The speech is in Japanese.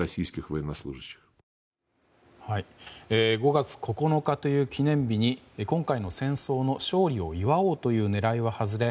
５月９日という記念日に今回の戦争の勝利を祝おうという狙いは外れ